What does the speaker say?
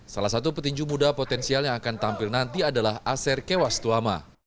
salah satu petinju muda potensial yang akan tampil nanti adalah aser kewas tuama